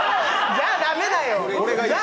じゃあ、駄目だよ。